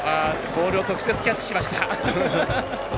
ボールを直接キャッチしました。